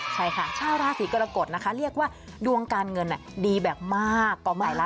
ใช่ค่ะชาวราศีกรกฎนะคะเรียกว่าดวงการเงินดีแบบมากก็ไม่ละ